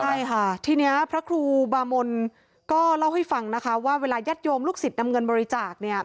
ใช่ค่ะทีนี้พระครูบามนก็เล่าให้ฟังนะคะว่าเวลาญาติโยมลูกศิษย์นำเงินบริจาคเนี่ย